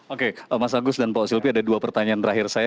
oke mas agus dan pak silvi ada dua pertanyaan terakhir saya